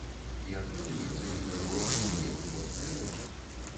І атрымліваецца неверагодная й вельмі моцная рэч.